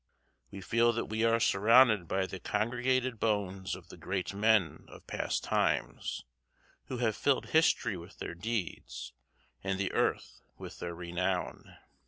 We feel that we are surrounded by the congregated bones of the great men of past times, who have filled history with their deeds and the earth with their renown.